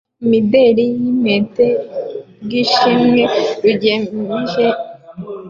Imideri n’Impete by’ishimwe rugemije kwimekeze umuco